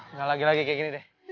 nggak lagi lagi kayak gini deh